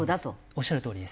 おっしゃるとおりです。